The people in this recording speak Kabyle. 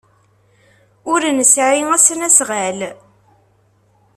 Ur nesɛi asnasɣal.